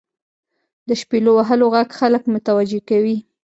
• د شپیلو وهلو ږغ خلک متوجه کوي.